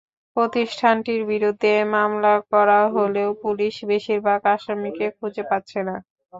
প্রতিষ্ঠানটির বিরুদ্ধে মামলা করা হলেও পুলিশ বেশির ভাগ আসামিকে খুঁজে পাচ্ছে না।